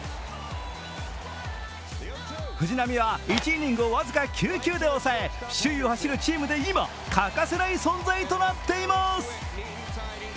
藤浪は、１イニングを僅か９球で抑え、首位を走るチームで今、欠かせない存在となっています。